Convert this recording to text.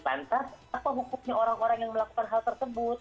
lantas apa hukumnya orang orang yang melakukan hal tersebut